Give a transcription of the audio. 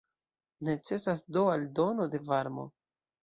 Necesas do aldono de varmo.